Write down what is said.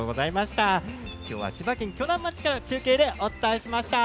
きょうは千葉県鋸南町から中継でお伝えしました。